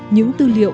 những tư liệu